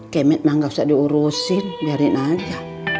kayaknya emak gak usah diurusin biarin aja